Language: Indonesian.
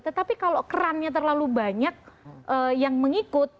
tetapi kalau kerannya terlalu banyak yang mengikut